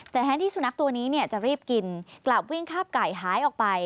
แต่แทนที่สุนัขตัวนี้จะรีบกินกลับวิ่งคาบไก่หายออกไป